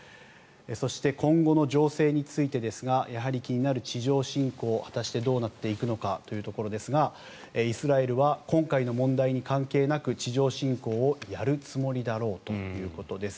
そして今後の情勢についてですがやはり気になる地上侵攻果たして、どうなっていくのかというところですがイスラエルは今回の問題に関係なく地上侵攻をやるつもりだろうということです。